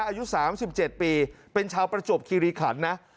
อายุสามสิบเจ็ดปีเป็นชาวประจบคิริขันนะ